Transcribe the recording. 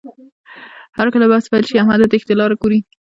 هرکله بحث پیل شي، احمد د تېښتې لاره ګوري.